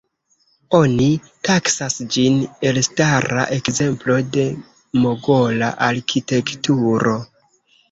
Oni taksas ĝin elstara ekzemplo de Mogola arkitekturo.